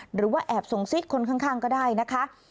หรือว่าแอบส่งซิกคนข้างก็ได้นะคะ